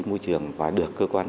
môi trường và được cơ quan